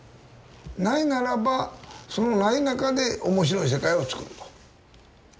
ないならばそのない中で面白い世界をつくると。